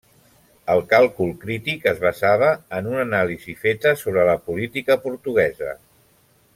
El càlcul crític es basava en una anàlisi feta sobre la política portuguesa.